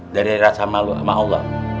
dari rasa malu sama allah